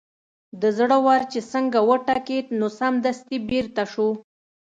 د زړه ور چې څنګه وټکېد نو سمدستي بېرته شو.